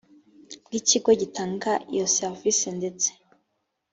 bw ikigo gitanga iyo serivisi ndetse